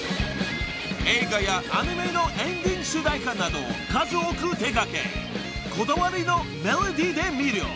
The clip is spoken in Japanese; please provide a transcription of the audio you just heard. ［映画やアニメのエンディング主題歌などを数多く手掛けこだわりのメロディーで魅了。